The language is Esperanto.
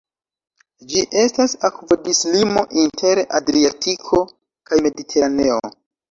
Ĝi estas akvodislimo inter Adriatiko kaj Mediteraneo.